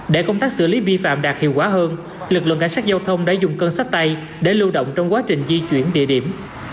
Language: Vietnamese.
để công tác xử lý vi phạm đạt hiệu quả hơn lực lượng cảnh sát giao thông đã dùng cân sách tay để lưu động trong quá trình di chuyển địa điểm